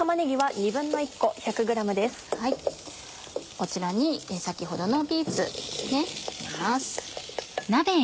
こちらに先ほどのビーツ入れます。